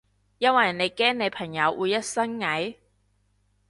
因為你驚你朋友會一身蟻？